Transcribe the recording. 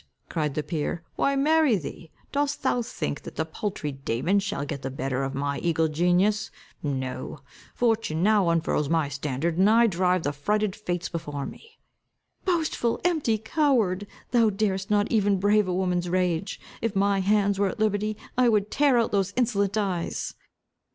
cried the peer, "why, marry thee. Dost thou think that the paltry Damon shall get the better of my eagle genius? No. Fortune now unfurls my standard, and I drive the frighted fates before me." "Boastful, empty coward! Thou darest not even brave a woman's rage. If my hands were at liberty, I would tear out those insolent eyes."